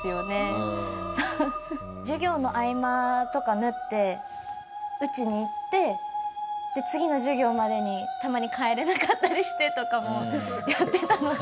授業の合間とか縫って打ちに行って次の授業までにたまに帰れなかったりしてとかもやってたので。